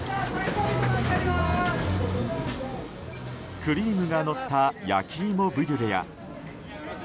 クリームがのった焼きイモブリュレや。